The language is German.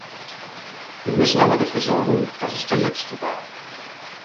Wir müssen aber dafür sorgen, dass es der letzte war.